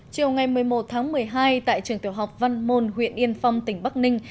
chiều ngày một mươi một tháng một mươi hai tại trường tiểu học văn môn huyện yên phong tỉnh bắc ninh